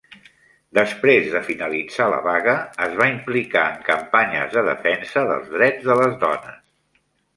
Després de finalitzar la vaga, es va implicar en campanyes de defensa dels drets de les dones.